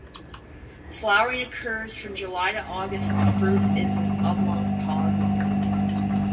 Flowering occurs from July to August and the fruit is an oblong pod long.